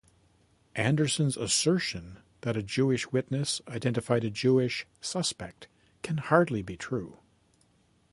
Anderson's assertion that a Jewish witness identified a Jewish suspect can hardly be true.